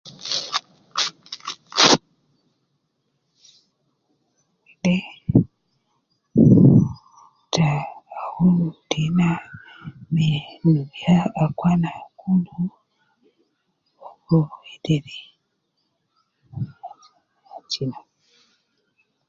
De ,te awun tena, me nubia akwana kulu fogo wedede